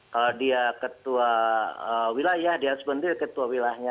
kalau dia ketua wilayah dia harus berhenti ketua wilayahnya